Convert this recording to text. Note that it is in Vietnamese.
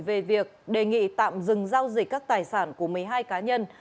về việc đề nghị tạm dừng giao dịch các tài sản của một mươi hai cá nhân